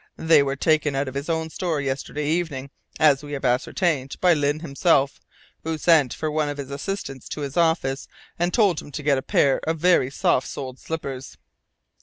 They were taken out of his own store yesterday evening, as we have ascertained, by Lyne himself, who sent for one of his assistants to his office and told him to get a pair of very soft soled slippers.